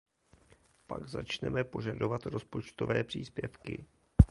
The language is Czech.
Pak začneme požadovat rozpočtové příspěvky.